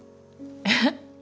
えっ？